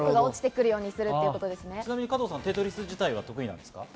ちなみに加藤さん、『テトリス』自体は得意なんですか？